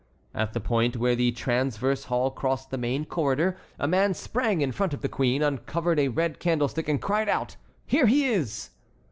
At the point where the transverse hall crossed the main corridor a man sprang in front of the queen, uncovered a red candlestick, and cried out: "Here he is!"